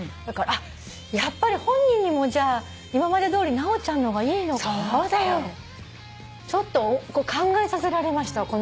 だからやっぱり本人にもじゃあ今までどおり直ちゃんの方がいいのかなってちょっと考えさせられました